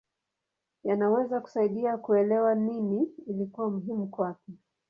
Yanaweza kusaidia kuelewa nini ilikuwa muhimu kwake.